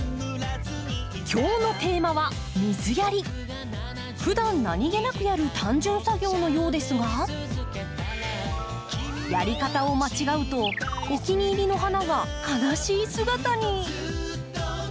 今日のテーマはふだん何気なくやる単純作業のようですがやり方を間違うとお気に入りの花が悲しい姿に。